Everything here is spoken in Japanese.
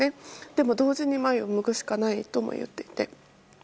でも同時に前を向くしかないとも言っていて。